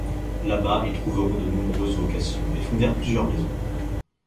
Là-bas, ils trouveront de nombreuses vocations et fondèrent plusieurs maisons.